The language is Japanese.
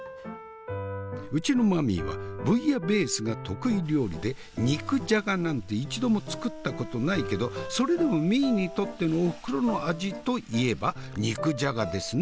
うちのマミーはブイヤベースが得意料理で肉じゃがなんて一度も作ったことないけどそれでもミーにとってのおふくろの味といえば肉じゃがですね。